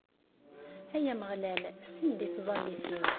Ay Ameɣlal, sel-d i tẓallit-iw.